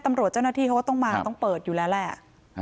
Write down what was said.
เจ้าหน้าที่เขาก็ต้องมาต้องเปิดอยู่แล้วแหละ